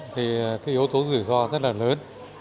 thì yếu tố rủi ro rất lớn